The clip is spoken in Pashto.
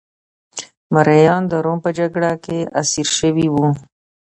مریان د روم په جګړه کې اسیر شوي وو